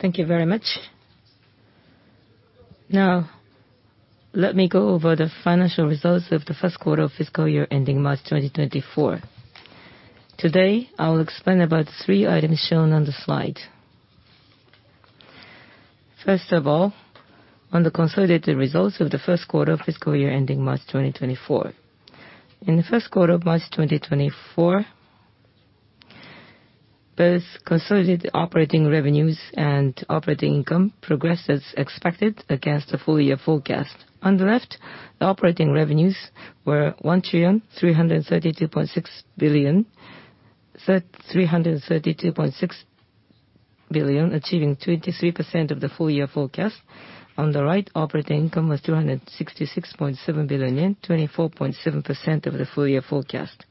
Thank you very much. Let me go over the financial results of the first quarter of fiscal year ending March 2024. Today, I will explain about the three items shown on the slide. On the consolidated results of the first quarter of fiscal year ending March 2024. In the first quarter of March 2024, both consolidated operating revenues and operating income progressed as expected against the full-year forecast. On the left, the operating revenues were 1 trillion 332.6 billion, achieving 23% of the full-year forecast. On the right, operating income was 266.7 billion yen, 24.7% of the full-year forecast.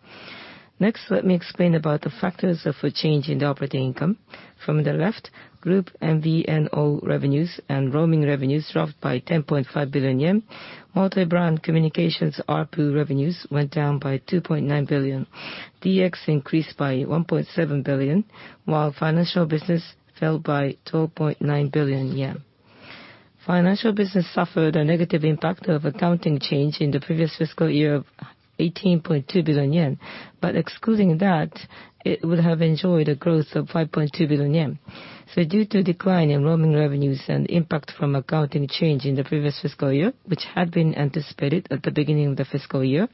Let me explain about the factors of a change in the operating income. From the left, group MVNO revenues and roaming revenues dropped by 10.5 billion yen. Multi-brand communications ARPU revenues went down by 2.9 billion. DX increased by 1.7 billion, while financial business fell by 12.9 billion yen. Financial business suffered a negative impact of accounting change in the previous fiscal year of 18.2 billion yen, but excluding that, it would have enjoyed a growth of 5.2 billion yen. Due to decline in roaming revenues and impact from accounting change in the previous fiscal year, which had been anticipated at the beginning of the fiscal year,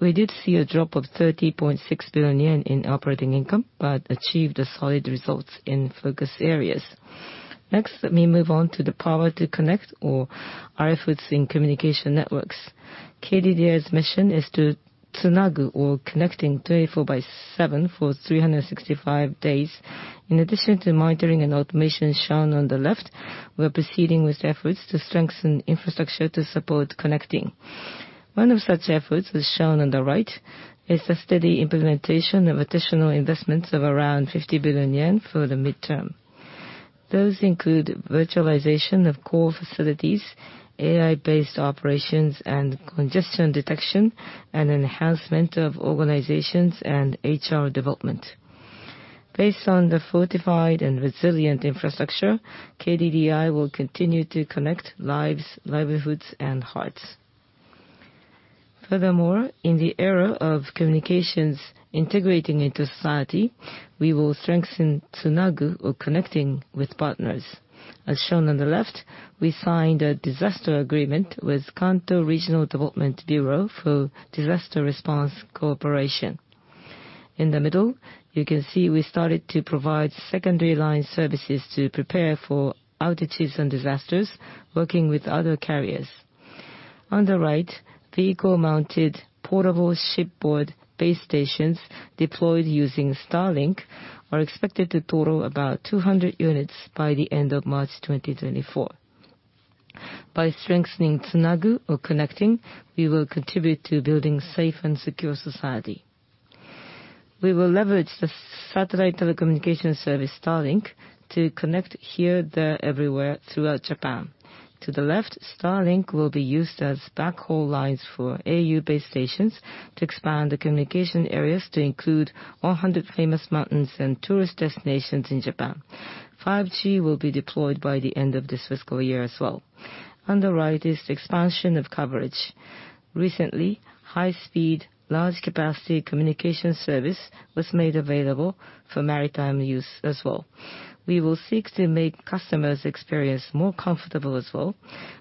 we did see a drop of 30.6 billion yen in operating income, but achieved a solid results in focus areas. Let me move on to the power to connect, or our efforts in communication networks. KDDI's mission is to "Tsunagu," or connecting 24/7 for 365 days. In addition to monitoring and automation shown on the left, we're proceeding with efforts to strengthen infrastructure to support connecting. One of such efforts shown on the right is a steady implementation of additional investments of around 50 billion yen for the midterm. Those include virtualization of core facilities, AI-based operations and congestion detection, and enhancement of organizations and HR development. Based on the fortified and resilient infrastructure, KDDI will continue to connect lives, livelihoods, and hearts. Furthermore, in the era of communications integrating into society, we will strengthen "Tsunagu," or connecting with partners. As shown on the left, we signed a disaster agreement with Kanto Regional Development Bureau for disaster response cooperation. In the middle, you can see we started to provide secondary line services to prepare for outages and disasters, working with other carriers. On the right, vehicle-mounted portable shipboard base stations deployed using Starlink are expected to total about 200 units by the end of March 2024. By strengthening "Tsunagu," or connecting, we will contribute to building safe and secure society. We will leverage the satellite telecommunication service, Starlink, to connect here, there, everywhere throughout Japan. To the left, Starlink will be used as backhaul lines for au base stations to expand the communication areas to include 100 famous mountains and tourist destinations in Japan. 5G will be deployed by the end of this fiscal year as well. On the right is expansion of coverage. Recently, high speed, large capacity communication service was made available for maritime use as well. We will seek to make customers' experience more comfortable as well.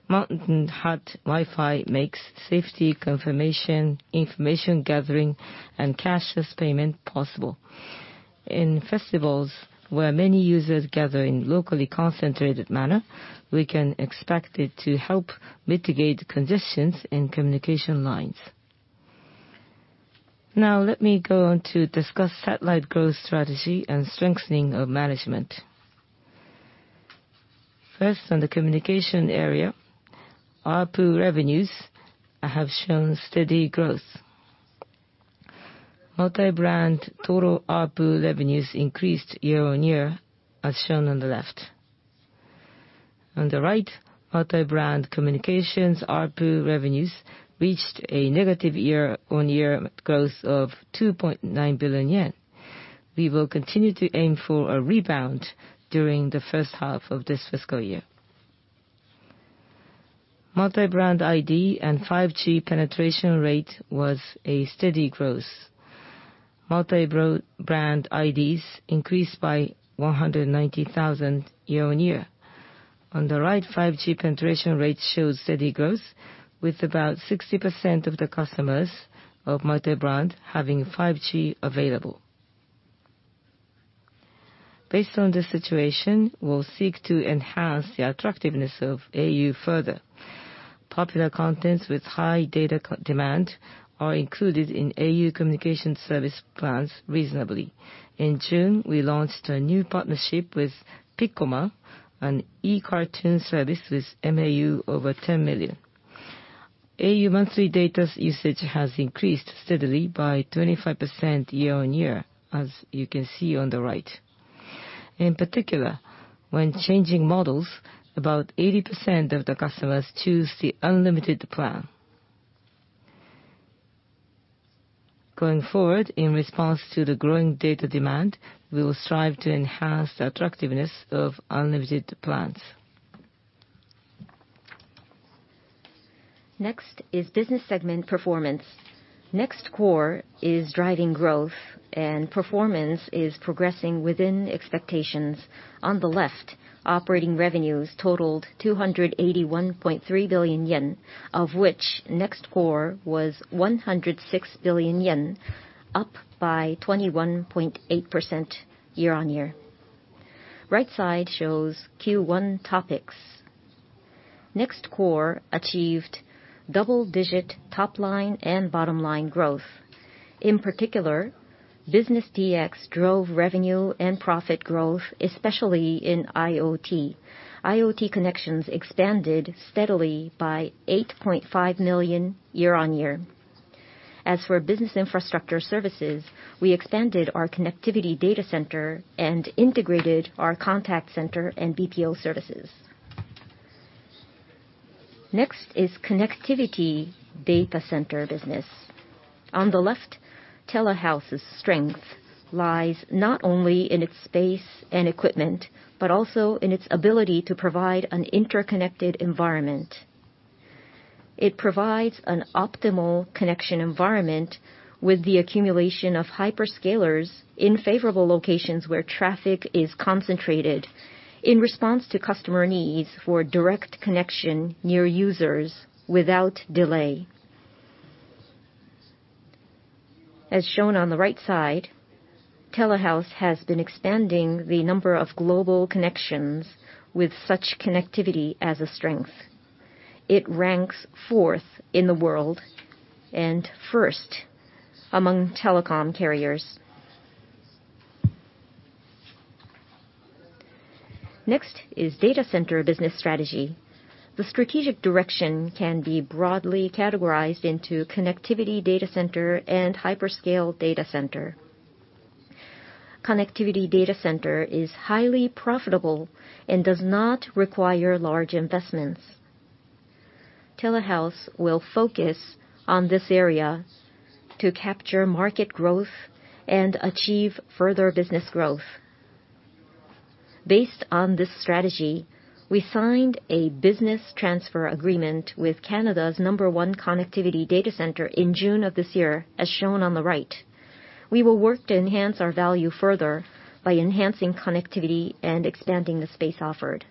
Mountain Hut Wi-Fi makes safety confirmation, information gathering, and cashless payment possible. In festivals where many users gather in locally concentrated manner, we can expect it to help mitigate congestions in communication lines. Let me go on to discuss satellite growth strategy and strengthening of management. On the communication area, ARPU revenues have shown steady growth. Multi-brand total ARPU revenues increased year-on-year as shown on the left. On the right, multi-brand communications ARPU revenues reached a negative year-over-year growth of 2.9 billion yen. We will continue to aim for a rebound during the first half of this fiscal year. Multi-brand ID and 5G penetration rate was a steady growth. Multi-brand IDs increased by 190,000 year-over-year. On the right, 5G penetration rate shows steady growth with about 60% of the customers of multi-brand having 5G available. Based on the situation, we'll seek to enhance the attractiveness of au further. Popular contents with high data demand are included in au communication service plans reasonably. In June, we launched a new partnership with Piccoma, an e-cartoon service with MAU over 10 million. au monthly data's usage has increased steadily by 25% year-over-year, as you can see on the right. In particular, when changing models, about 80% of the customers choose the unlimited plan. Going forward, in response to the growing data demand, we will strive to enhance the attractiveness of unlimited plans. Next is business segment performance. NEXT Core is driving growth, and performance is progressing within expectations. On the left, operating revenues totaled 281.3 billion yen, of which NEXT Core was 106 billion yen, up by 21.8% year-over-year. Right side shows Q1 topics. NEXT Core achieved double-digit top-line and bottom-line growth. In particular, Business DX drove revenue and profit growth, especially in IoT. IoT connections expanded steadily by 8.5 million year-over-year. As for business infrastructure services, we expanded our connectivity data center and integrated our contact center and BPO services. Next is connectivity data center business. On the left, Telehouse's strength lies not only in its space and equipment, but also in its ability to provide an interconnected environment. It provides an optimal connection environment with the accumulation of hyperscalers in favorable locations where traffic is concentrated, in response to customer needs for direct connection near users without delay. As shown on the right side, Telehouse has been expanding the number of global connections with such connectivity as a strength. It ranks fourth in the world and first among telecom carriers. Next is data center business strategy. The strategic direction can be broadly categorized into connectivity data center and hyperscale data center. Connectivity data center is highly profitable and does not require large investments. Telehouse will focus on this area to capture market growth and achieve further business growth. Based on this strategy, we signed a business transfer agreement with Canada's number 1 connectivity data center in June of this year, as shown on the right. We will work to enhance our value further by enhancing connectivity and expanding the space offered.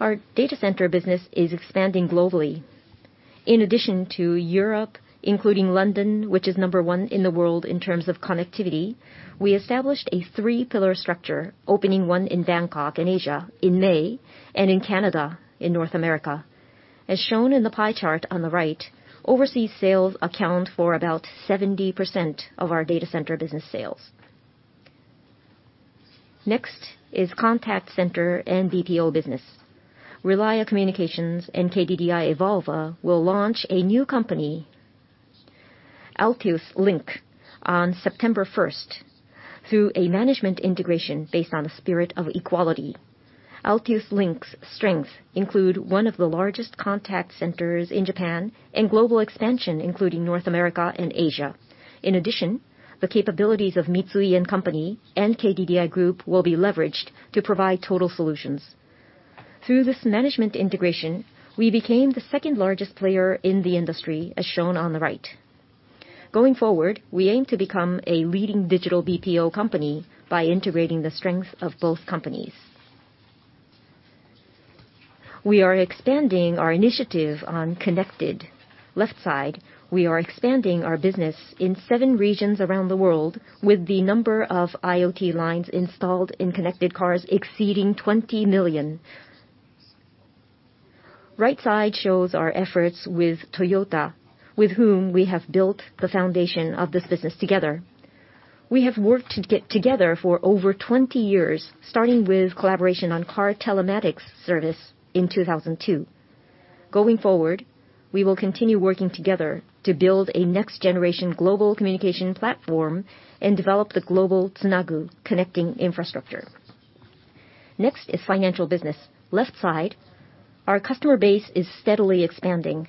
Our data center business is expanding globally. In addition to Europe, including London, which is number one in the world in terms of connectivity, we established a three-pillar structure, opening one in Bangkok in Asia in May, and in Canada in North America. As shown in the pie chart on the right, overseas sales account for about 70% of our data center business sales. Next is contact center and BPO business. Relia Communications and KDDI Evolva will launch a new company, Altius Link, on September 1st, through a management integration based on a spirit of equality. Altius Link's strengths include one of the largest contact centers in Japan and global expansion, including North America and Asia. In addition, the capabilities of Mitsui & Co., Ltd. and KDDI Group will be leveraged to provide total solutions. Through this management integration, we became the 2nd-largest player in the industry, as shown on the right. Going forward, we aim to become a leading Digital BPO company by integrating the strengths of both companies. We are expanding our initiative on Connected. Left side, we are expanding our business in seven regions around the world, with the number of IoT lines installed in connected cars exceeding 20 million. Right side shows our efforts with Toyota, with whom we have built the foundation of this business together. We have worked together for over 20 years, starting with collaboration on car telematics service in 2002. Going forward, we will continue working together to build a next-generation global communication platform and develop the global Tsunagu connecting infrastructure. Next is financial business. Left side, our customer base is steadily expanding.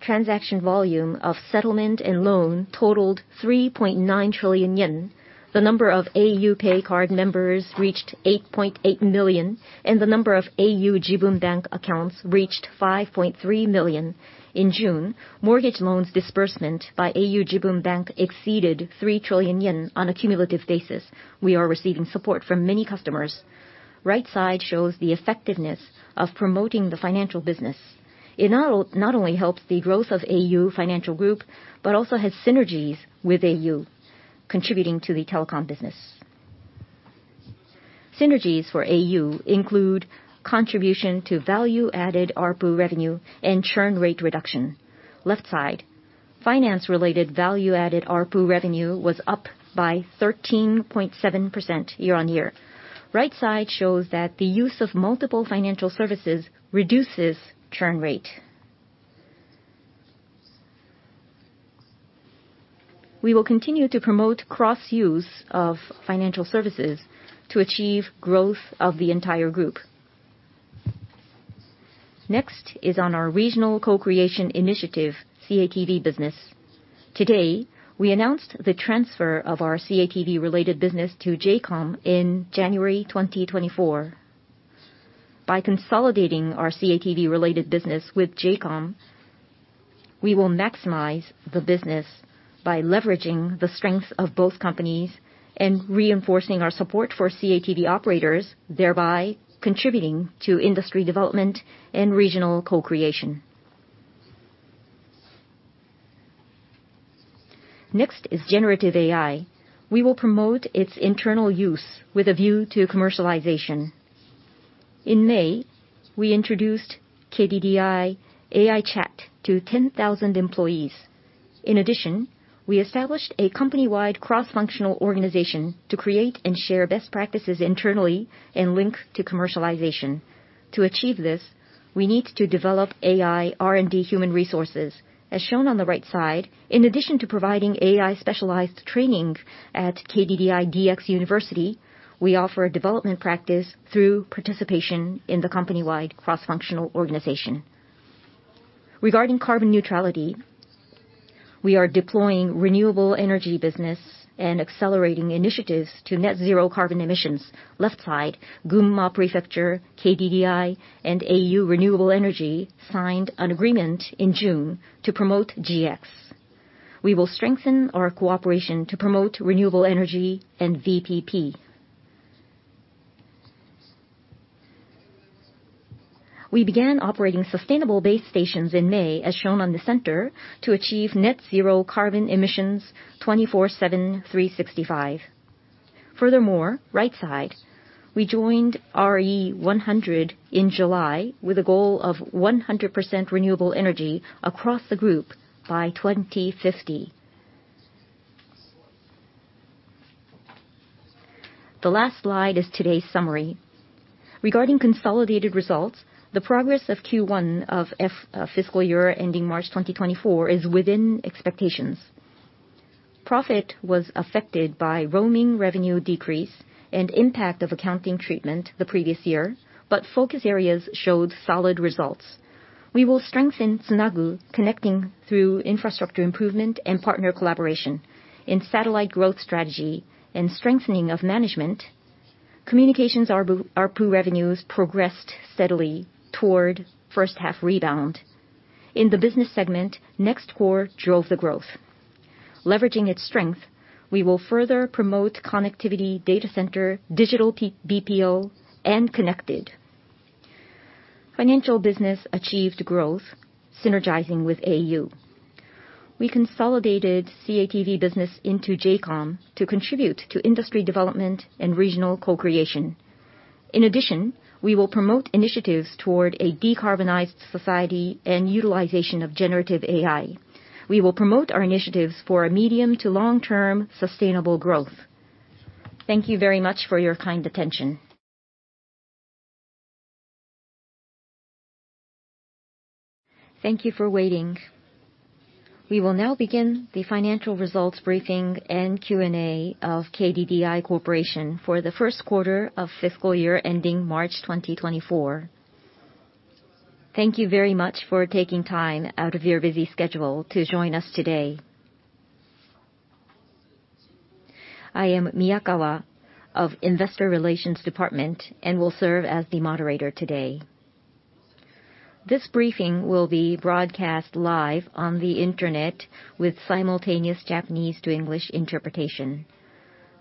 Transaction volume of settlement and loan totaled 3.9 trillion yen. The number of au PAY card members reached 8.8 million, and the number of au Jibun Bank accounts reached 5.3 million. In June, mortgage loans disbursement by au Jibun Bank exceeded 3 trillion yen on a cumulative basis. We are receiving support from many customers. Right side shows the effectiveness of promoting the financial business. It not only helps the growth of au Financial Group, but also has synergies with au, contributing to the telecom business. Synergies for au include contribution to value-added ARPU revenue and churn rate reduction. Left side, finance-related value-added ARPU revenue was up by 13.7% year-over-year. Right side shows that the use of multiple financial services reduces churn rate. We will continue to promote cross-use of financial services to achieve growth of the entire group. Next is on our regional co-creation initiative, CATV business. Today, we announced the transfer of our CATV-related business to J:COM in January 2024. By consolidating our CATV-related business with J:COM, we will maximize the business by leveraging the strengths of both companies and reinforcing our support for CATV operators, thereby contributing to industry development and regional co-creation. Next is generative AI. We will promote its internal use with a view to commercialization. In May, we introduced KDDI AI Chat to 10,000 employees. In addition, we established a company-wide cross-functional organization to create and share best practices internally and link to commercialization. To achieve this, we need to develop AI, R&D, human resources. As shown on the right side, in addition to providing AI-specialized training at KDDI DX University, we offer a development practice through participation in the company-wide cross-functional organization. Regarding carbon neutrality, we are deploying renewable energy business and accelerating initiatives to net zero carbon emissions. Left side, Gunma Prefecture, KDDI, and au Renewable Energy signed an agreement in June to promote GX. We will strengthen our cooperation to promote renewable energy and VPP. We began operating sustainable base stations in May, as shown on the center, to achieve net zero carbon emissions 24/7, 365. Right side, we joined RE100 in July with a goal of 100% renewable energy across the group by 2050. The last slide is today's summary. Regarding consolidated results, the progress of Q1 of fiscal year ending March 2024 is within expectations. Profit was affected by roaming revenue decrease and impact of accounting treatment the previous year, but focus areas showed solid results. We will strengthen Tsunagu, connecting through infrastructure improvement and partner collaboration. In satellite growth strategy and strengthening of management, communications ARPU revenues progressed steadily toward first half rebound. In the business segment, NEXT Core drove the growth. Leveraging its strength, we will further promote connectivity data center, Digital BPO, and Connected. Financial business achieved growth, synergizing with au. We consolidated CATV business into J:COM to contribute to industry development and regional co-creation. We will promote initiatives toward a decarbonized society and utilization of generative AI. We will promote our initiatives for a medium to long-term sustainable growth. Thank you very much for your kind attention. Thank you for waiting. We will now begin the financial results briefing and Q&A of KDDI Corporation for the first quarter of fiscal year ending March 2024. Thank you very much for taking time out of your busy schedule to join us today. I am Miyakawa of Investor Relations Department and will serve as the moderator today. This briefing will be broadcast live on the internet with simultaneous Japanese to English interpretation.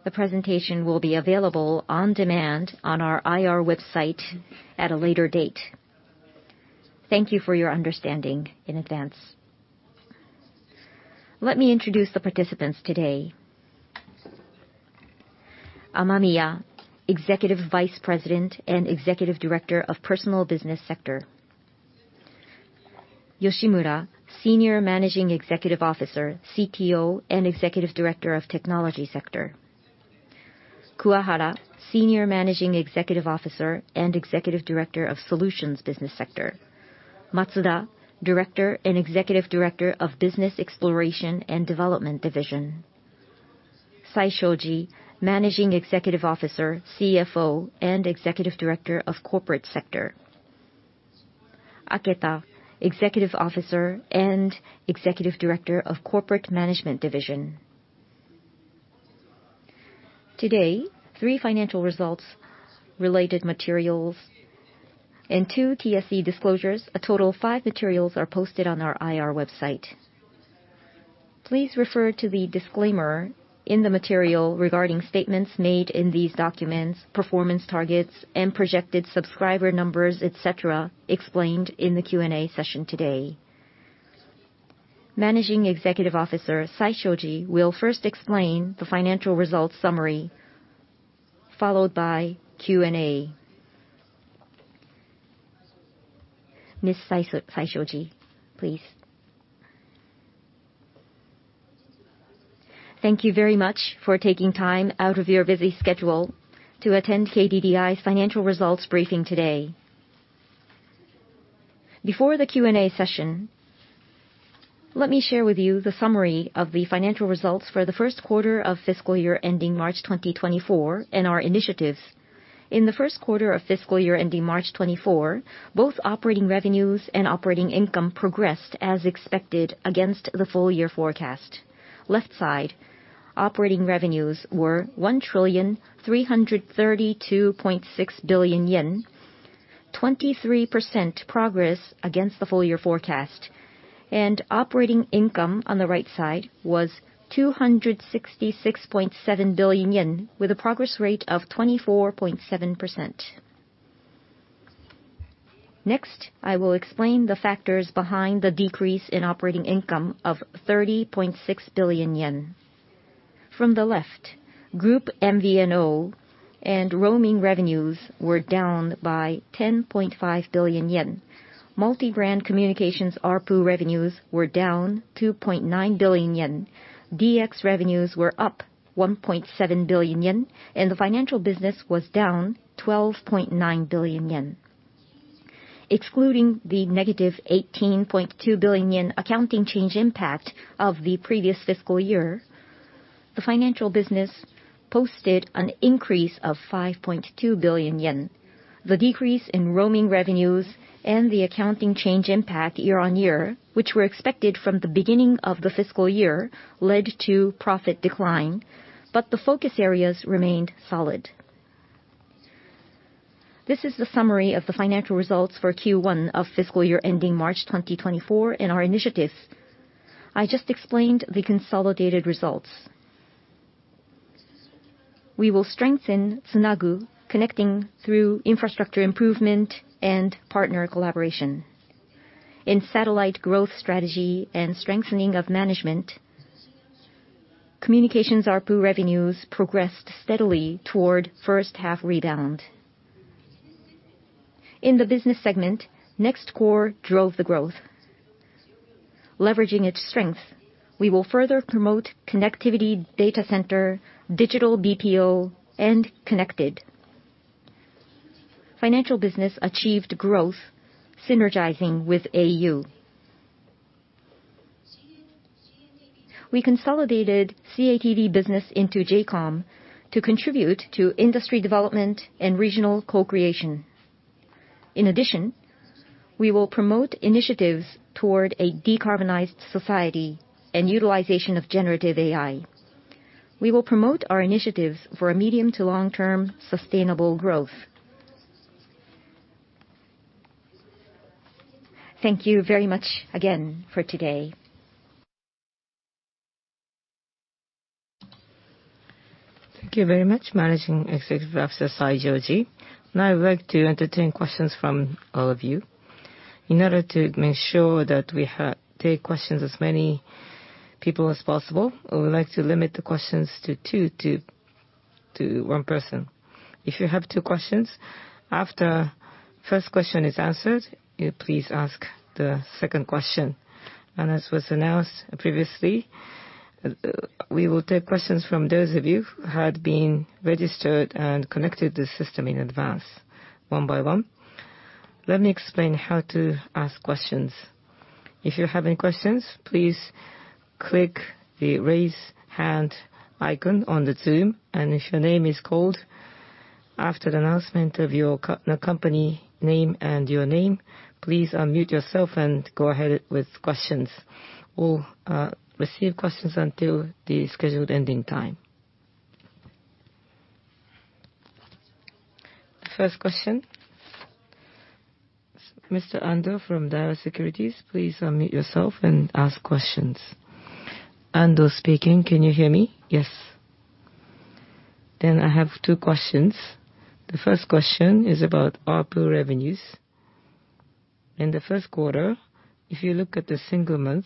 The presentation will be available on demand on our IR website at a later date. Thank you for your understanding in advance. Let me introduce the participants today. Amamiya, Executive Vice President and Executive Director of Personal Business Sector. Yoshimura, Senior Managing Executive Officer, CTO, and Executive Director of Technology Sector. Kuwahara, Senior Managing Executive Officer and Executive Director of Solutions Business Sector. Matsuda, Director and Executive Director of Business Exploration and Development Division. Saishoji, Managing Executive Officer, CFO, and Executive Director of Corporate Sector. Aketa, Executive Officer and Executive Director of Corporate Management Division. Today, three financial results related materials and two TSE disclosures, a total of five materials are posted on our IR website. Please refer to the disclaimer in the material regarding statements made in these documents, performance targets, and projected subscriber numbers, et cetera, explained in the Q&A session today. Managing Executive Officer, Saishoji, will first explain the financial results summary, followed by Q&A. Ms. Saishoji, please. Thank you very much for taking time out of your busy schedule to attend KDDI's financial results briefing today. Before the Q&A session, let me share with you the summary of the financial results for the first quarter of fiscal year ending March 2024, and our initiatives. In the first quarter of fiscal year ending March 2024, both operating revenues and operating income progressed as expected against the full-year forecast. Left side, operating revenues were 1,332.6 billion yen, 23% progress against the full-year forecast. Operating income on the right side was 266.7 billion yen, with a progress rate of 24.7%. Next, I will explain the factors behind the decrease in operating income of 30.6 billion yen. From the left, group MVNO and roaming revenues were down by 10.5 billion yen. Multi-brand communications ARPU revenues were down 2.9 billion yen. DX revenues were up 1.7 billion yen, and the financial business was down 12.9 billion yen. Excluding the negative 18.2 billion yen accounting change impact of the previous fiscal year, the financial business posted an increase of 5.2 billion yen. The decrease in roaming revenues and the accounting change impact year-on-year, which were expected from the beginning of the fiscal year, led to profit decline, but the focus areas remained solid. This is the summary of the financial results for Q1 of fiscal year ending March 2024 and our initiatives. I just explained the consolidated results. We will strengthen Tsunagu, connecting through infrastructure improvement and partner collaboration. In satellite growth strategy and strengthening of management, communications ARPU revenues progressed steadily toward first half rebound. In the business segment, NEXT Core drove the growth. Leveraging its strengths, we will further promote connectivity data center, Digital BPO and Connected. Financial business achieved growth synergizing with au. We consolidated CATV business into J:COM to contribute to industry development and regional co-creation. In addition, we will promote initiatives toward a decarbonized society and utilization of generative AI. We will promote our initiatives for a medium to long-term sustainable growth. Thank you very much again for today. Thank you very much, Managing Executive Officer Saishoji. Now I would like to entertain questions from all of you. In order to make sure that we take questions as many people as possible, we would like to limit the questions to two to one person. If you have two questions, after first question is answered, you please ask the second question. As was announced previously, we will take questions from those of you who had been registered and connected to the system in advance, one by one. Let me explain how to ask questions. If you have any questions, please click the raise hand icon on Zoom. If your name is called after the announcement of your company name and your name, please unmute yourself and go ahead with questions. We will receive questions until the scheduled ending time. First question, Mr. Ando from Daiwa Securities, please unmute yourself and ask questions. Ando speaking. Can you hear me? Yes. I have two questions. The first question is about ARPU revenues. In the first quarter, if you look at the single month,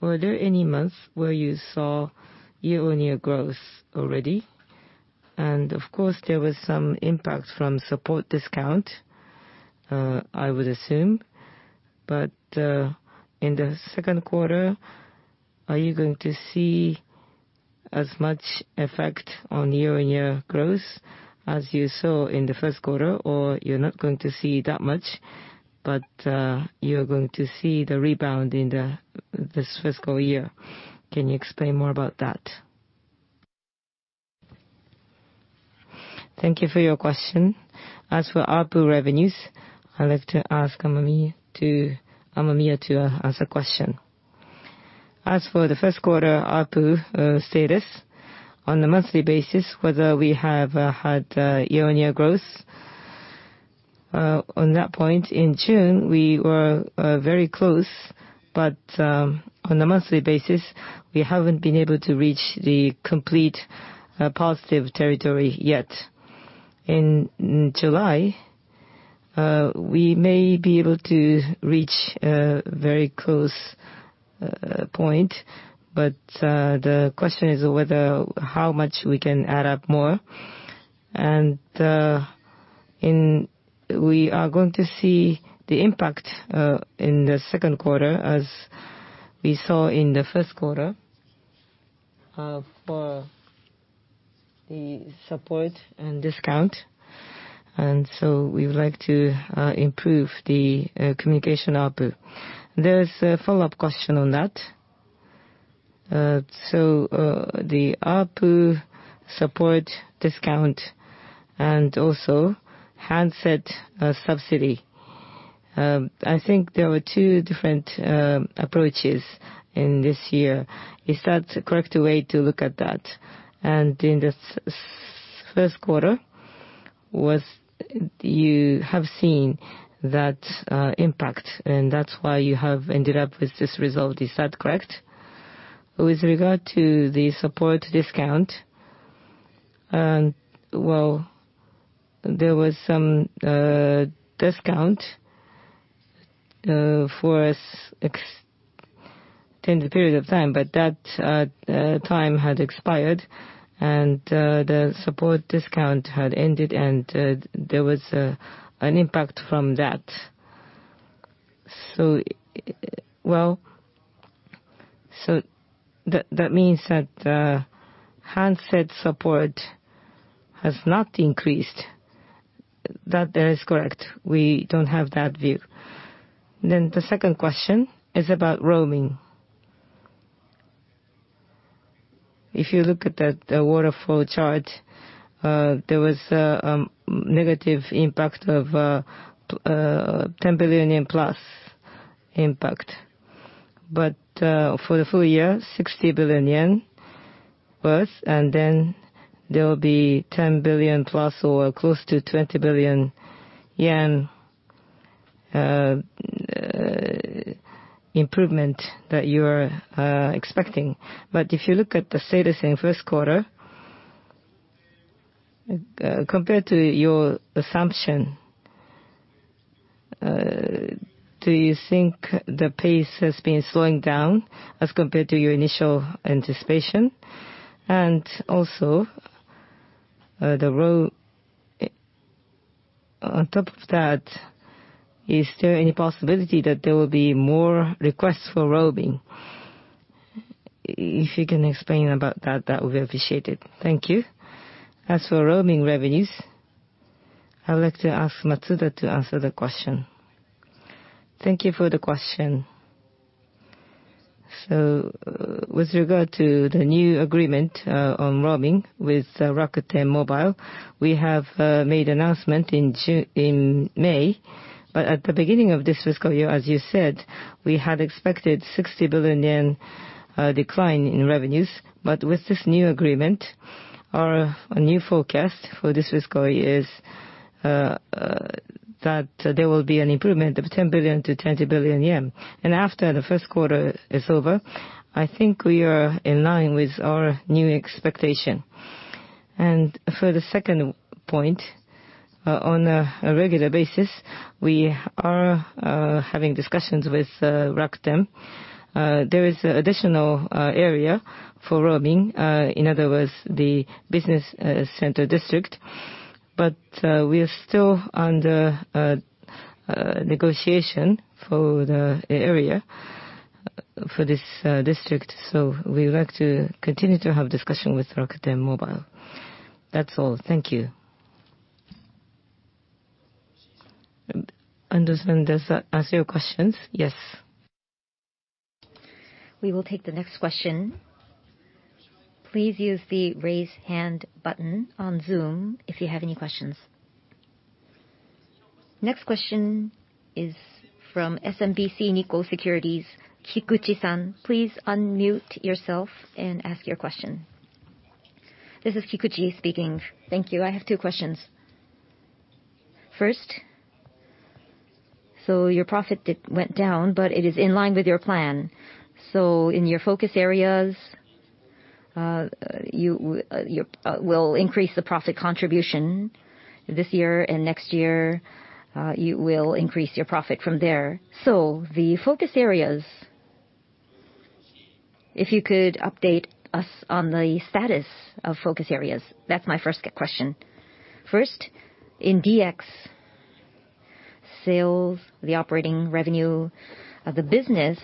were there any month where you saw year-on-year growth already? Of course, there was some impact from support discount, I would assume. In the second quarter, are you going to see as much effect on year-on-year growth as you saw in the first quarter? You are not going to see that much, but you are going to see the rebound in this fiscal year? Can you explain more about that? Thank you for your question. As for ARPU revenues, I would like to ask Amamiya to answer question. As for the first quarter ARPU status on a monthly basis, whether we have had year-over-year growth, on that point, in June, we were very close. On a monthly basis, we haven't been able to reach the complete positive territory yet. In July, we may be able to reach a very close point, but the question is how much we can add up more. We are going to see the impact in the second quarter as we saw in the first quarter for the support and discount. We would like to improve the communication ARPU. There's a follow-up question on that. The ARPU support discount and also handset subsidy, I think there were two different approaches in this year. Is that the correct way to look at that? In the first quarter, you have seen that impact, and that's why you have ended up with this result. Is that correct? With regard to the support discount, well, there was some discount for extended period of time, but that time had expired, and the support discount had ended, and there was an impact from that. That means that handset support has not increased. That is correct. We don't have that view. The second question is about roaming. If you look at the waterfall chart, there was a negative impact of 10 billion yen plus impact. For the full year, 60 billion yen worth, and then there will be 10 billion plus or close to 20 billion yen improvement that you are expecting. If you look at the status in first quarter, compared to your assumption, do you think the pace has been slowing down as compared to your initial anticipation? Also, on top of that, is there any possibility that there will be more requests for roaming? If you can explain about that would be appreciated. Thank you. As for roaming revenues, I'd like to ask Matsuda to answer the question. Thank you for the question. With regard to the new agreement on roaming with Rakuten Mobile, we have made announcement in May. At the beginning of this fiscal year, as you said, we had expected 60 billion yen decline in revenues. With this new agreement, our new forecast for this fiscal year is that there will be an improvement of 10 billion-20 billion yen. After the first quarter is over, I think we are in line with our new expectation. For the second point, on a regular basis, we are having discussions with Rakuten. There is additional area for roaming, in other words, the business center district, but we are still under negotiation for the area for this district. We would like to continue to have discussion with Rakuten Mobile. That's all. Thank you. Understand. Does that answer your questions? Yes. We will take the next question. Please use the raise hand button on Zoom if you have any questions. Next question is from SMBC Nikko Securities, Kikuchi-san. Please unmute yourself and ask your question. This is Kikuchi speaking. Thank you. I have two questions. First, your profit went down, but it is in line with your plan. In your focus areas, you will increase the profit contribution this year and next year, you will increase your profit from there. The focus areas, if you could update us on the status of focus areas. That's my first question. First, in DX sales, the operating revenue of the business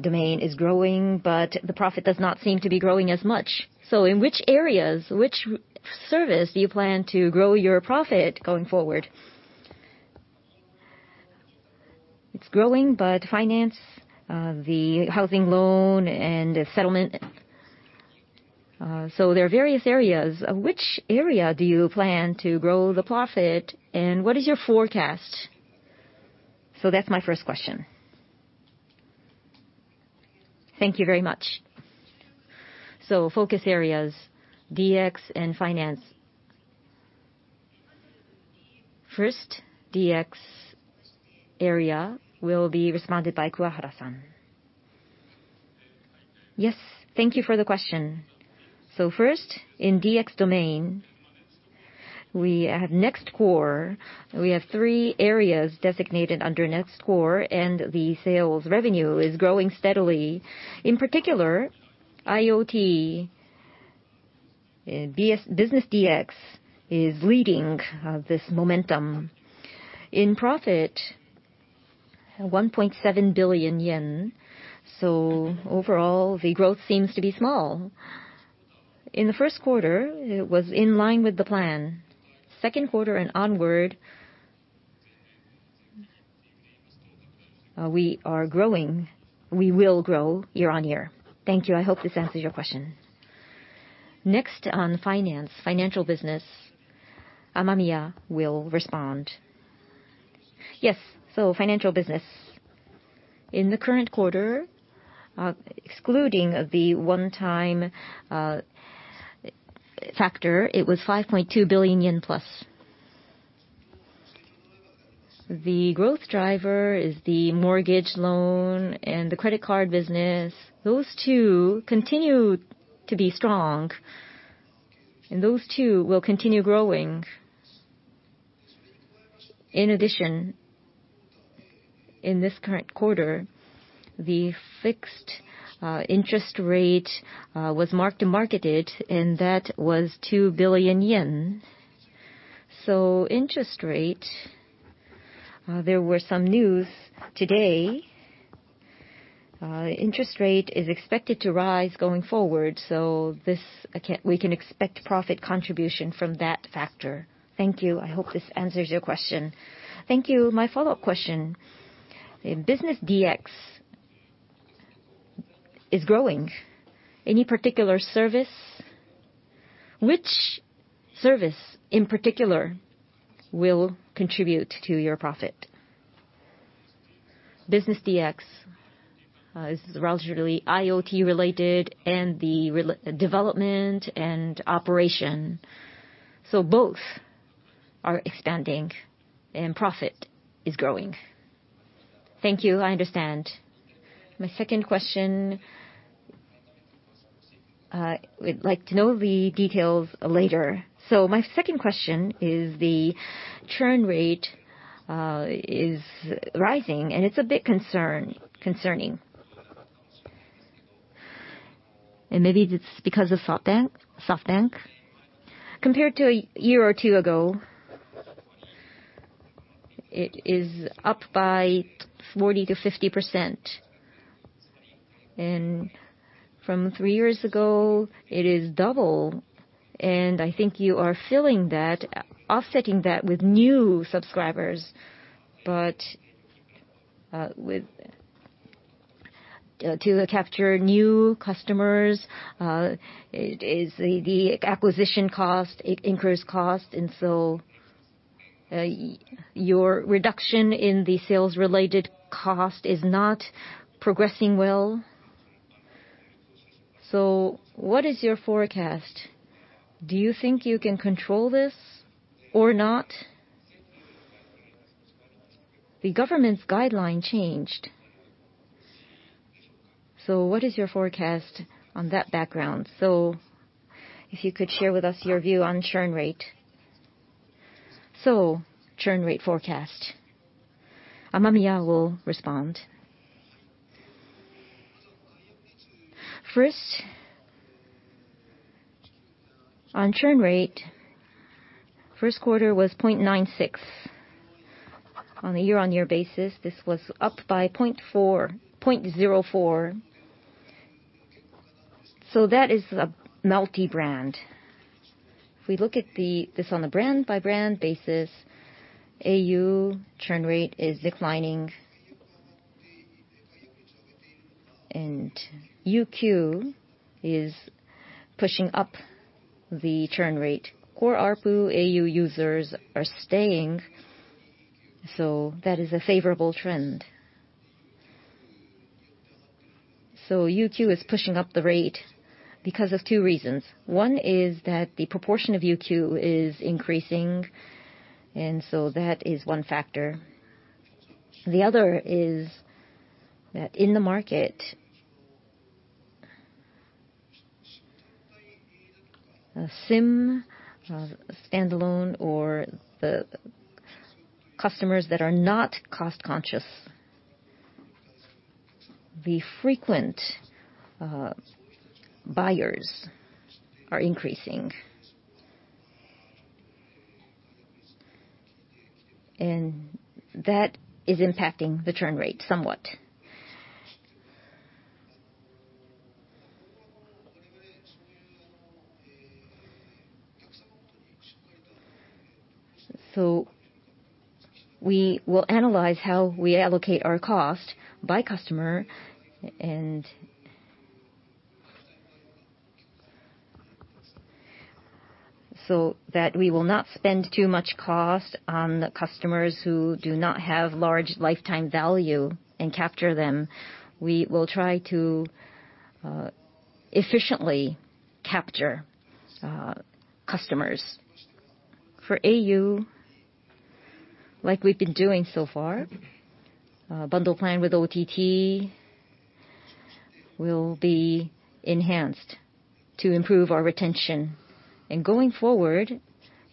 domain is growing, but the profit does not seem to be growing as much. In which areas, which service do you plan to grow your profit going forward? It's growing, but finance, the housing loan, and settlement. There are various areas. Which area do you plan to grow the profit, and what is your forecast? That's my first question. Thank you very much. Focus areas, DX and finance. First, DX area will be responded by Kuwahara-san. Yes. Thank you for the question. First, in DX domain, we have NEXT Core. We have three areas designated under NEXT Core, and the sales revenue is growing steadily. In particular, IoT-Business DX is leading this momentum. In profit, 1.7 billion yen. Overall, the growth seems to be small. In the first quarter, it was in line with the plan. Second quarter and onward, we will grow year-over-year. Thank you. I hope this answers your question. Next on finance, financial business, Amamiya will respond. Yes. Financial business. In the current quarter, excluding the one-time factor, it was 5.2 billion yen plus. The growth driver is the mortgage loan and the credit card business. Those two continue to be strong, and those two will continue growing. In addition, in this current quarter, the fixed interest rate was mark-to-marketed, and that was 2 billion yen. Interest rate, there were some news today. Interest rate is expected to rise going forward, we can expect profit contribution from that factor. Thank you. I hope this answers your question. Thank you. My follow-up question. Business DX is growing. Any particular service? Which service in particular will contribute to your profit? Business DX is relatively IoT-related and the development and operation. Both are expanding and profit is growing. Thank you. I understand. My second question, we'd like to know the details later. My second question is the churn rate is rising, and it's a bit concerning. Maybe it's because of SoftBank. Compared to a year or two ago, it is up by 40%-50%. From three years ago, it is double. I think you are offsetting that with new subscribers, to capture new customers, the acquisition cost, it incurs cost, your reduction in the sales-related cost is not progressing well. What is your forecast? Do you think you can control this or not? The government's guideline changed. What is your forecast on that background? If you could share with us your view on churn rate. Churn rate forecast. Amamiya will respond. First, on churn rate, first quarter was 0.96%. On a year-over-year basis, this was up by 0.04%. That is a multi-brand. If we look at this on a brand-by-brand basis, au churn rate is declining, and UQ is pushing up the churn rate. Core ARPU au users are staying, that is a favorable trend. UQ is pushing up the rate because of two reasons. One is that the proportion of UQ is increasing, that is one factor. The other is that in the market, SIM, standalone, or the customers that are not cost-conscious, the frequent buyers are increasing. That is impacting the churn rate somewhat. We will analyze how we allocate our cost by customer, that we will not spend too much cost on the customers who do not have large lifetime value and capture them. We will try to efficiently capture customers. For au, like we've been doing so far, bundle plan with OTT will be enhanced to improve our retention. Going forward,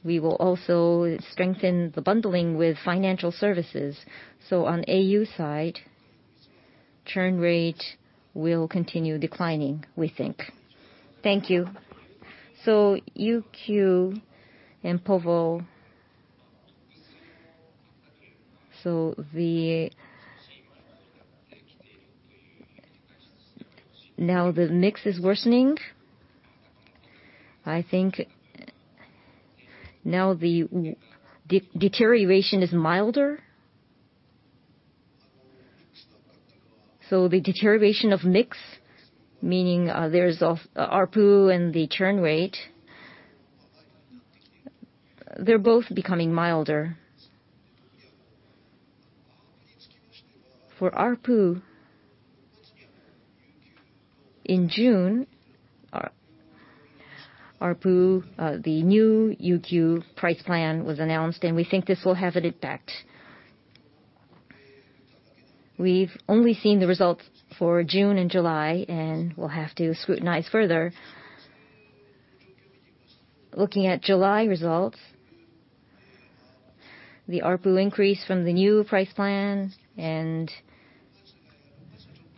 we will also strengthen the bundling with financial services. On au side Churn rate will continue declining, we think. Thank you. UQ and povo, now the mix is worsening. I think now the deterioration is milder. The deterioration of mix, meaning there's ARPU and the churn rate, they're both becoming milder. For ARPU, in June, the new UQ price plan was announced, and we think this will have an impact. We've only seen the results for June and July, and we'll have to scrutinize further. Looking at July results, the ARPU increase from the new price plan and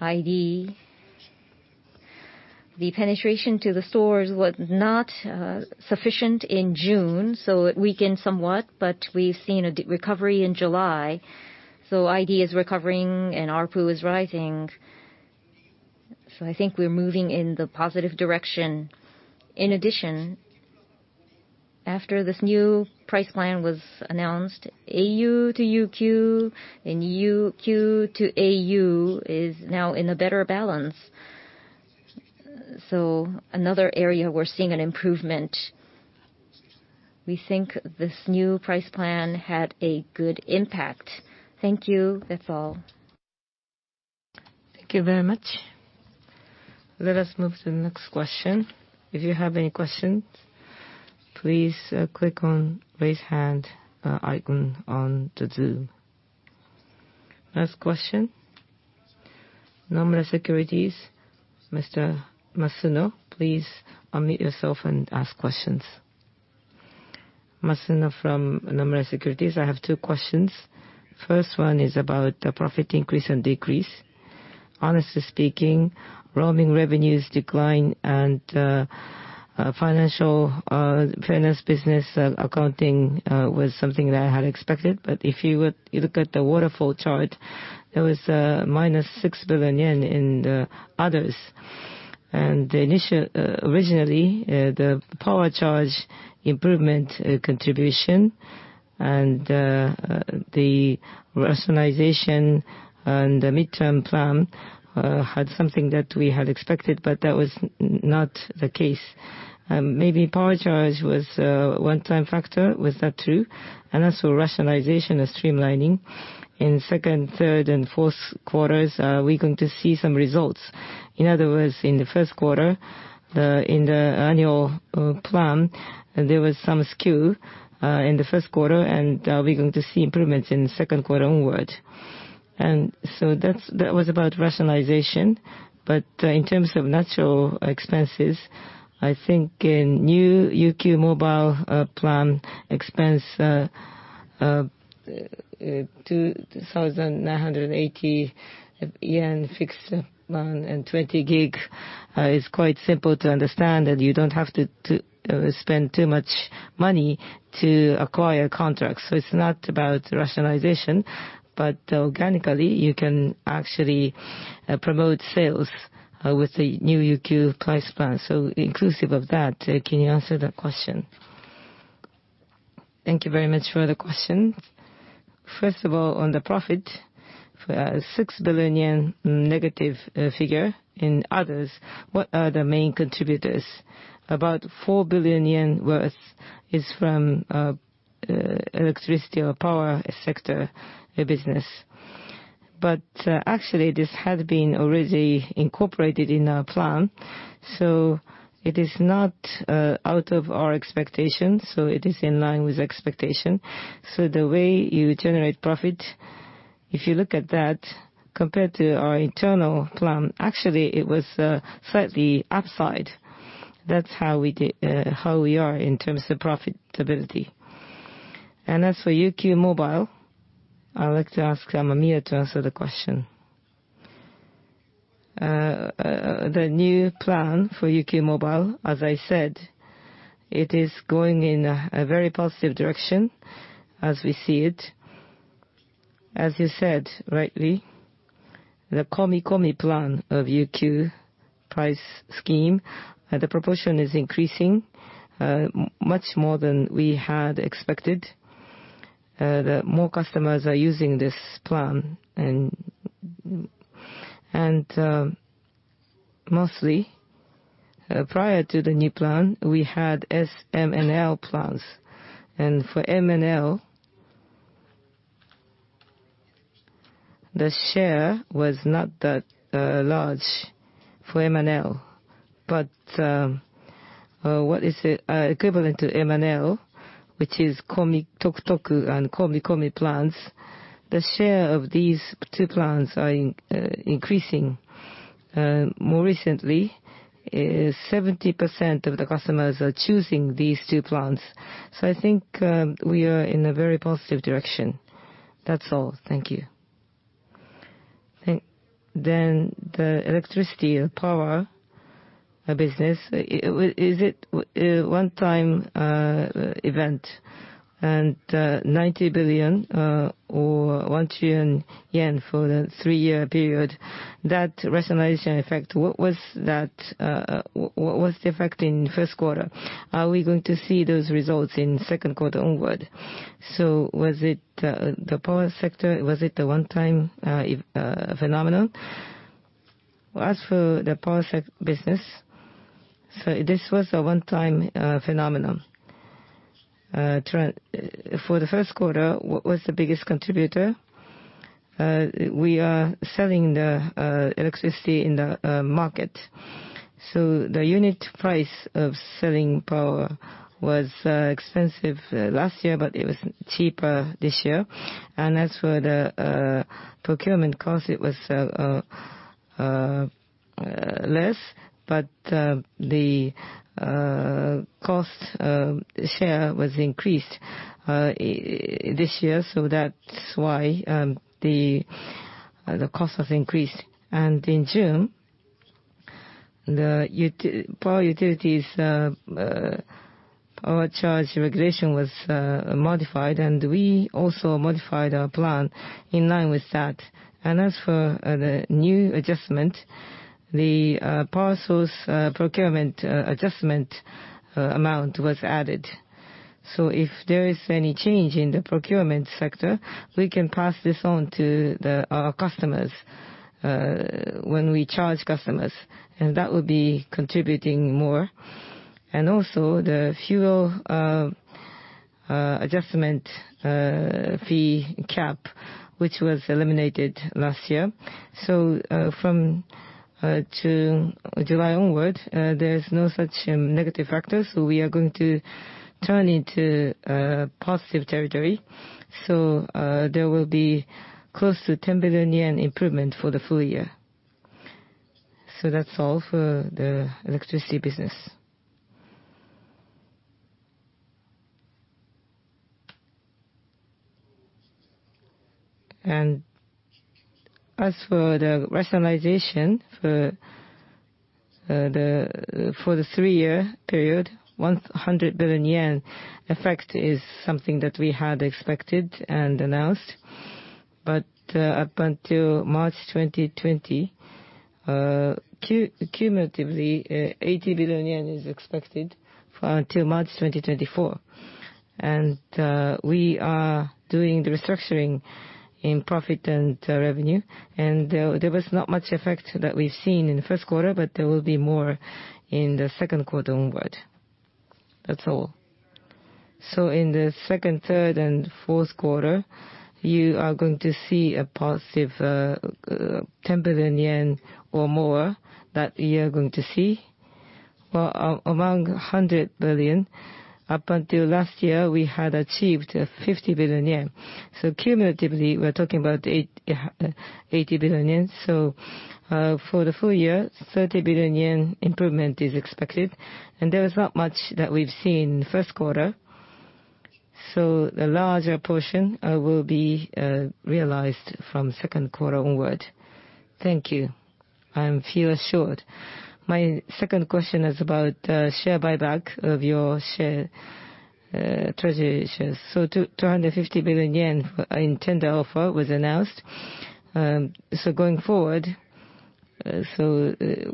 ID, the penetration to the stores was not sufficient in June, so it weakened somewhat, but we've seen a recovery in July. ID is recovering and ARPU is rising. I think we're moving in the positive direction. In addition, after this new price plan was announced, au to UQ and UQ to au is now in a better balance. Another area we're seeing an improvement. We think this new price plan had a good impact. Thank you. That's all. Thank you very much. Let us move to the next question. If you have any questions, please click on raise hand icon on the Zoom. Next question. Nomura Securities, Mr. Masuno, please unmute yourself and ask questions. Masuno from Nomura Securities. I have two questions. First one is about the profit increase and decrease. Honestly speaking, roaming revenues decline and financial fairness business accounting was something that I had expected. If you look at the waterfall chart, there was a minus 6 billion yen in the others. Originally, the power charge improvement contribution and the rationalization and the midterm plan had something that we had expected, but that was not the case. Maybe power charge was a one-time factor. Was that true? Also, rationalization and streamlining in second, third, and fourth quarters, are we going to see some results? In other words, in the first quarter, in the annual plan, there was some skew in the first quarter, and are we going to see improvements in the second quarter onward? That was about rationalization. In terms of natural expenses, I think in new UQ mobile plan expense, JPY 2,980 fixed plan and 20 GB is quite simple to understand, and you don't have to spend too much money to acquire contracts. It's not about rationalization, but organically, you can actually promote sales with the new UQ price plan. Inclusive of that, can you answer that question? Thank you very much for the question. First of all, on the profit, for a 6 billion yen negative figure in others, what are the main contributors? About 4 billion yen worth is from electricity or power sector business. Actually, this had been already incorporated in our plan, so it is not out of our expectation. It is in line with expectation. The way you generate profit, if you look at that, compared to our internal plan, actually, it was slightly upside. That's how we are in terms of profitability. As for UQ mobile, I would like to ask Amemiya to answer the question. The new plan for UQ mobile, as I said, it is going in a very positive direction as we see it. As you said, rightly, the Komikomi plan of UQ mobile price scheme, the proportion is increasing much more than we had expected, that more customers are using this plan. Mostly, prior to the new plan, we had S, M, and L plans. For M and L, the share was not that large for M and L. What is equivalent to M and L, which is Komitoku and Komikomi plans, the share of these two plans are increasing. More recently, 70% of the customers are choosing these two plans. I think we are in a very positive direction. That's all. Thank you. The electricity power business, is it a one-time event? 90 billion, or 1 trillion yen for the three-year period, that rationalization effect, what was the effect in the first quarter? Are we going to see those results in the second quarter onward? The power sector, was it a one-time phenomenon? As for the power business, this was a one-time phenomenon. For the first quarter, what was the biggest contributor? We are selling the electricity in the market. The unit price of selling power was expensive last year, but it was cheaper this year. As for the procurement cost, it was less. The cost share was increased this year, so that's why the cost has increased. In June, the power utilities power charge regulation was modified, and we also modified our plan in line with that. As for the new adjustment, the power source procurement adjustment amount was added. If there is any change in the procurement sector, we can pass this on to our customers when we charge customers, and that will be contributing more. Also, the fuel adjustment fee cap, which was eliminated last year. From July onward, there's no such negative factors. We are going to turn into positive territory. There will be close to 10 billion yen improvement for the full year. That's all for the electricity business. As for the rationalization for the three-year period, 100 billion yen effect is something that we had expected and announced. Up until March 2020, cumulatively, 80 billion yen is expected until March 2024. We are doing the restructuring in profit and revenue. There was not much effect that we've seen in the first quarter, but there will be more in the second quarter onward. That's all. In the second, third, and fourth quarter, you are going to see a positive 10 billion yen or more that you're going to see? Well, among 100 billion, up until last year, we had achieved 50 billion yen. Cumulatively, we're talking about 80 billion yen. For the full year, 30 billion yen improvement is expected. There was not much that we've seen in the first quarter. The larger portion will be realized from the second quarter onward. Thank you. I feel assured. My second question is about share buyback of your treasury shares. 250 billion yen in tender offer was announced. Going forward,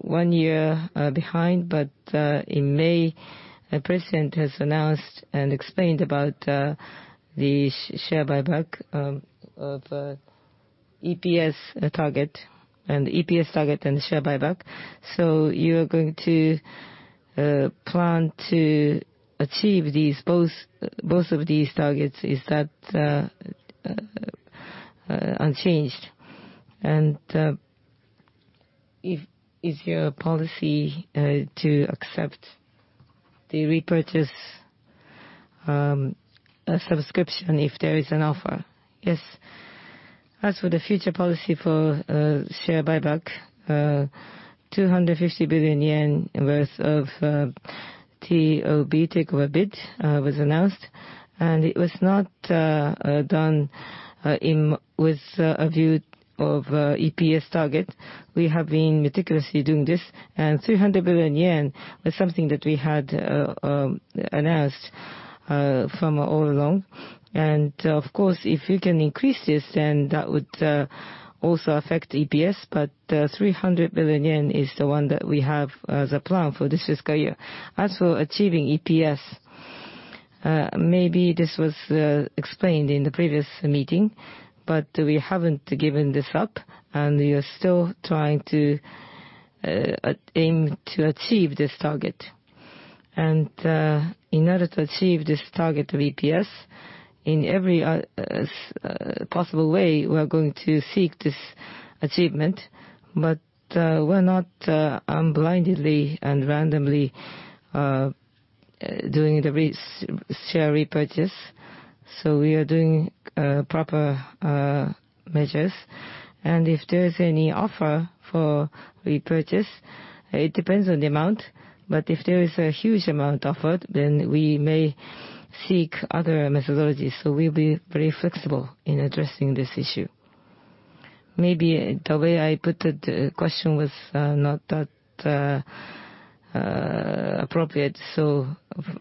one year behind, but in May, our president has announced and explained about the share buyback of EPS target and share buyback. You are going to plan to achieve both of these targets. Is that unchanged? Is your policy to accept the repurchase subscription if there is an offer? Yes. As for the future policy for share buyback, 250 billion yen worth of TOB, take or bid, was announced, and it was not done with a view of EPS target. We have been meticulously doing this, and 300 billion yen was something that we had announced all along. Of course, if we can increase this, then that would also affect EPS, but 300 billion yen is the one that we have as a plan for this fiscal year. As for achieving EPS, maybe this was explained in the previous meeting, but we haven't given this up, and we are still trying to aim to achieve this target. In order to achieve this target of EPS, in every possible way, we are going to seek this achievement. We're not blindly and randomly doing the share repurchase. We are doing proper measures. If there's any offer for repurchase, it depends on the amount, but if there is a huge amount offered, then we may seek other methodologies. We'll be very flexible in addressing this issue. Maybe the way I put the question was not that appropriate.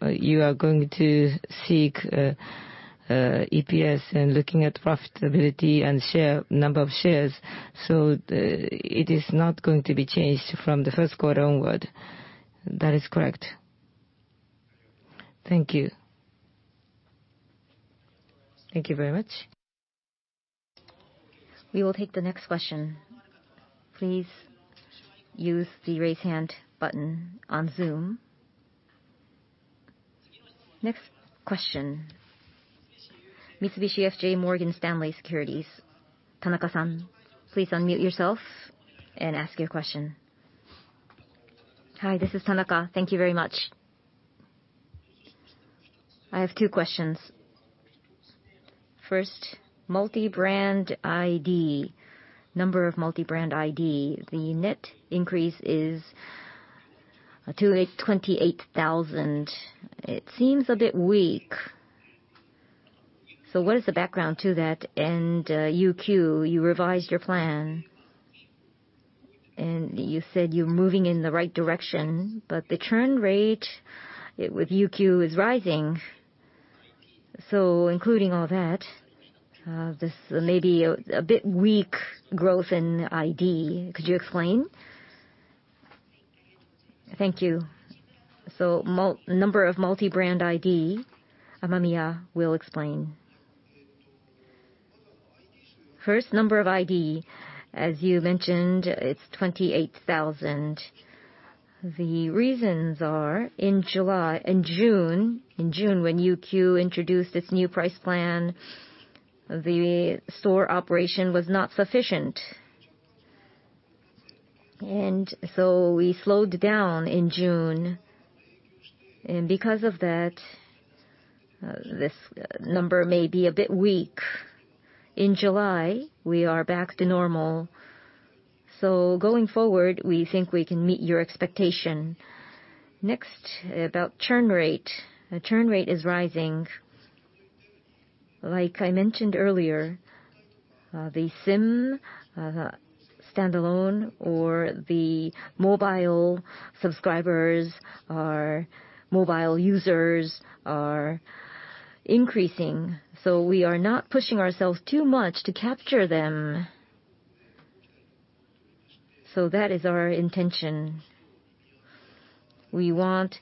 You are going to seek EPS and looking at profitability and number of shares. It is not going to be changed from the first quarter onward. That is correct. Thank you. Thank you very much. We will take the next question. Please use the raise hand button on Zoom. Next question. Mitsubishi UFJ Morgan Stanley Securities, Tanaka-san, please unmute yourself and ask your question. Hi, this is Tanaka. Thank you very much. I have two questions. First, number of multi-brand ID, the net increase is 28,000. It seems a bit weak. What is the background to that? UQ, you revised your plan, and you said you're moving in the right direction, but the churn rate with UQ is rising. Including all that, this may be a bit weak growth in ID. Could you explain? Thank you. Number of multi-brand ID, Amamiya will explain. First, number of ID, as you mentioned, it's 28,000. The reasons are in June, when UQ introduced its new price plan, the store operation was not sufficient. We slowed down in June. Because of that, this number may be a bit weak. In July, we are back to normal. Going forward, we think we can meet your expectation. Next, about churn rate. The churn rate is rising. Like I mentioned earlier, the SIM standalone or the mobile subscribers or mobile users are increasing. We are not pushing ourselves too much to capture them. That is our intention. We want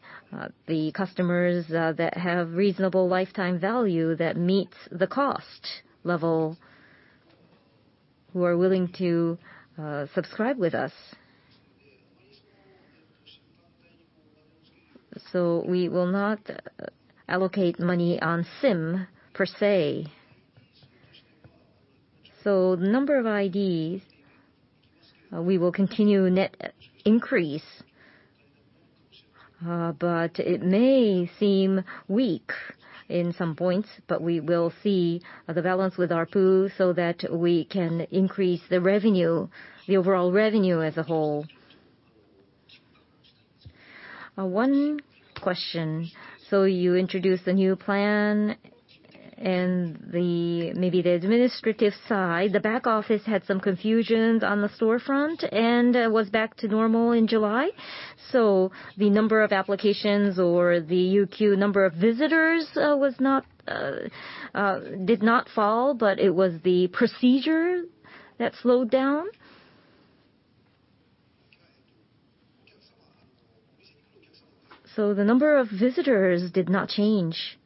the customers that have reasonable lifetime value that meets the cost level, who are willing to subscribe with us. We will not allocate money on SIM per se. The number of IDs, we will continue net increase. It may seem weak in some points, but we will see the balance with ARPU so that we can increase the overall revenue as a whole. One question. You introduced the new plan and maybe the administrative side, the back office had some confusions on the storefront and was back to normal in July. The number of applications or the UQ number of visitors did not fall, but it was the procedure that slowed down? The number of visitors did not change.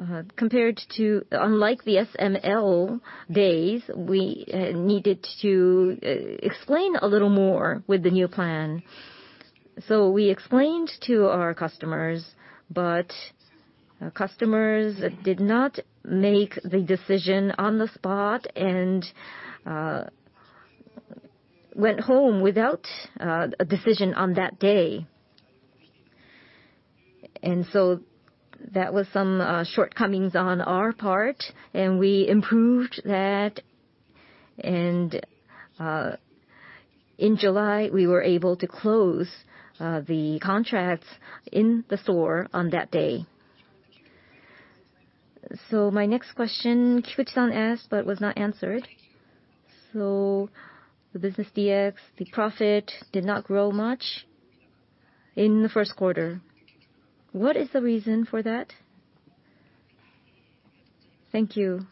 Unlike the SML days, we needed to explain a little more with the new plan. We explained to our customers, but customers did not make the decision on the spot and went home without a decision on that day. That was some shortcomings on our part, and we improved that. In July, we were able to close the contracts in the store on that day. My next question, Kubota-san asked but was not answered. The Business DX, the profit did not grow much in the first quarter. What is the reason for that? Thank you.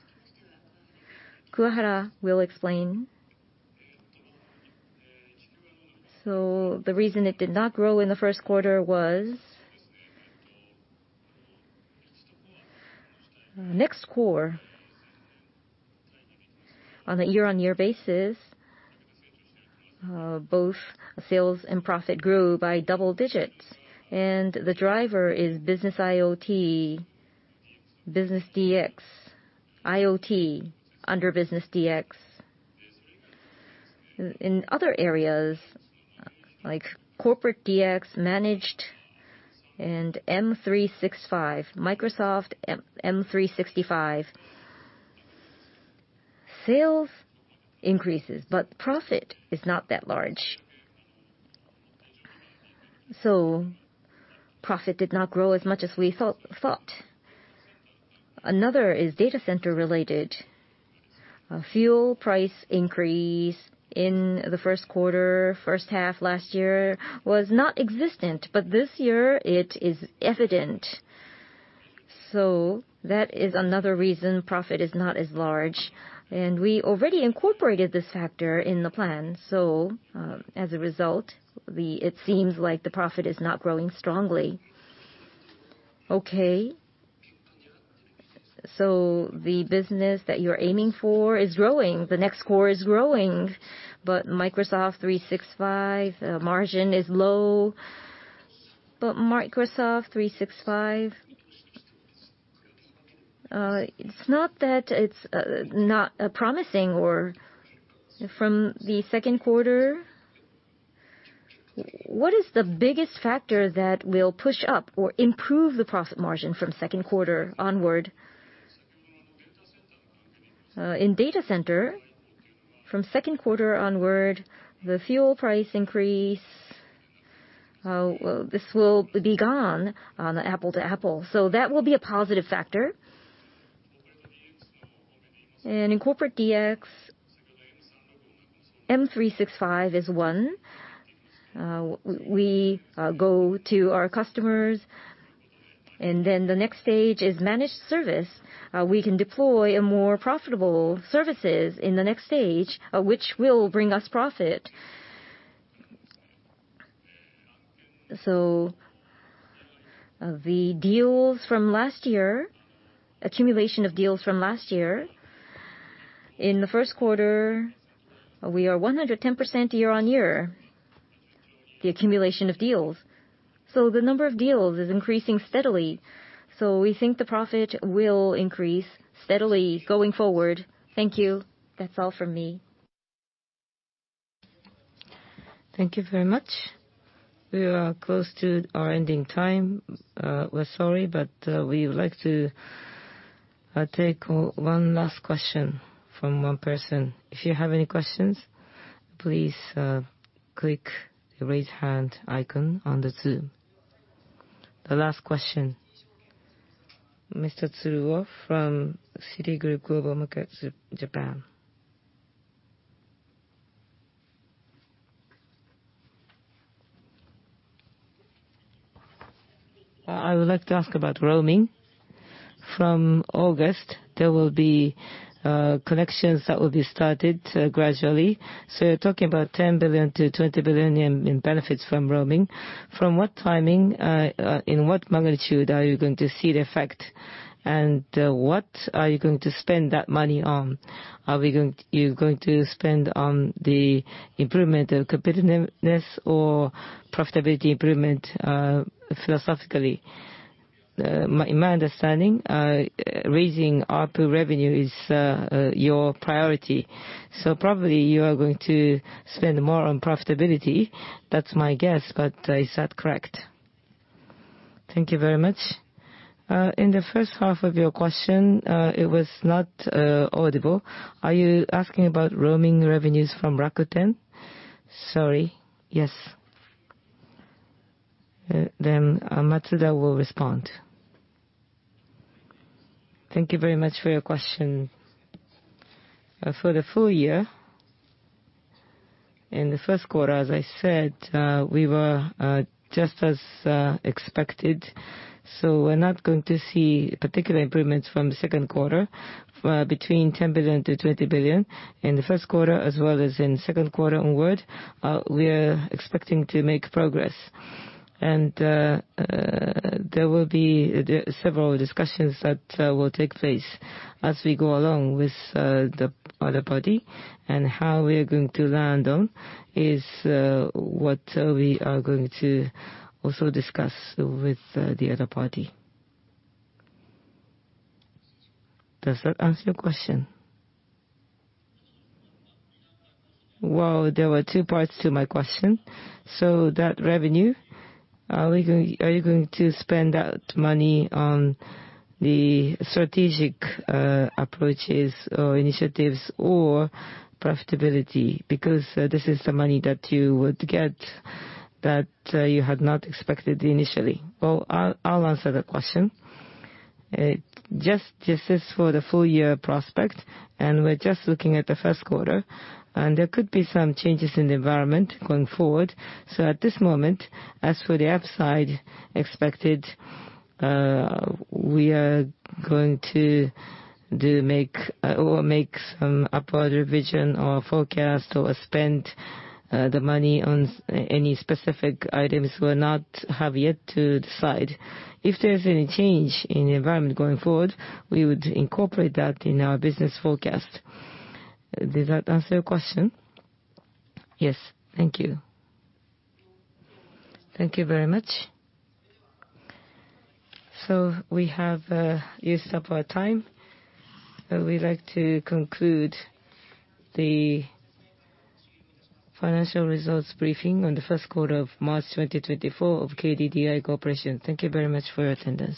Kuwahara will explain. The reason it did not grow in the first quarter was NEXT Core. On a year-over-year basis, both sales and profit grew by double digits, the driver is Business IoT. Business DX, IoT under Business DX. In other areas like Corporate DX, Managed and Microsoft 365, sales increases, profit is not that large. Profit did not grow as much as we thought. Another is data center related. A fuel price increase in the first quarter, first half last year was not existent, this year it is evident. That is another reason profit is not as large. We already incorporated this factor in the plan. As a result, it seems like the profit is not growing strongly. Okay. The business that you're aiming for is growing, the NEXT Core is growing. Microsoft 365, margin is low. Microsoft 365, it's not that it's not promising or from the second quarter, what is the biggest factor that will push up or improve the profit margin from second quarter onward? In data center, from second quarter onward, the fuel price increase, this will be gone on an apple-to-apple. That will be a positive factor. In Corporate DX, Microsoft 365 is one. We go to our customers and then the next stage is managed service. We can deploy a more profitable services in the next stage, which will bring us profit. The deals from last year, accumulation of deals from last year, in the first quarter, we are 110% year-over-year, the accumulation of deals. The number of deals is increasing steadily. We think the profit will increase steadily going forward. Thank you. That's all from me. Thank you very much. We are close to our ending time. We're sorry, we would like to take one last question from one person. If you have any questions, please click the raise hand icon on Zoom. The last question, Mr. Tsuruo from Citigroup Global Markets Japan. I would like to ask about roaming. From August, there will be connections that will be started gradually. You're talking about 10 billion-20 billion in benefits from roaming. From what timing, in what magnitude are you going to see the effect? And what are you going to spend that money on? Are you going to spend on the improvement of competitiveness or profitability improvement, philosophically? In my understanding, raising ARPU revenue is your priority. Probably you are going to spend more on profitability. That's my guess, but is that correct? Thank you very much. In the first half of your question, it was not audible. Are you asking about roaming revenues from Rakuten? Sorry. Yes. Then Matsuda will respond. Thank you very much for your question. For the full year, in the first quarter, as I said, we were just as expected. We're now going to see particular improvements from the second quarter, 10 billion-20 billion. In the first quarter as well as in second quarter onward, we are expecting to make progress. There will be several discussions that will take place as we go along with the other party. How we are going to land on is what we are going to also discuss with the other party. Does that answer your question? Well, there were two parts to my question. That revenue, are you going to spend that money on the strategic approaches or initiatives or profitability? Because this is the money that you would get that you had not expected initially. Well, I'll answer that question. Just as for the full year prospect, we're just looking at the first quarter, there could be some changes in the environment going forward. At this moment, as for the upside expected, we are going to make some upward revision or forecast or spend, the money on any specific items we have yet to decide. If there's any change in the environment going forward, we would incorporate that in our business forecast. Does that answer your question? Yes. Thank you. Thank you very much. We have used up our time. We'd like to conclude the financial results briefing on the first quarter of March 2024 of KDDI Corporation. Thank you very much for your attendance.